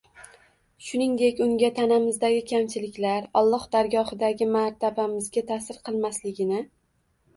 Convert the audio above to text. Shuningdek, unga tanamizdagi kamchiliklar Alloh dargohidagi martabamizga ta’sir qilmasligini